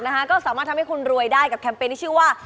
นะคะก็สามารถทำให้คุณรวยได้กับแคมเปญที่ชื่อว่า